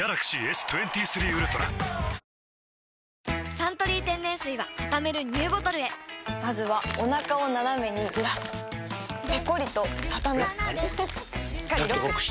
「サントリー天然水」はたためるＮＥＷボトルへまずはおなかをナナメにずらすペコリ！とたたむしっかりロック！